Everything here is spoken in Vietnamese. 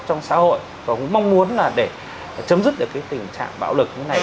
trong xã hội tôi cũng mong muốn là để chấm dứt được tình trạng bảo lực như thế này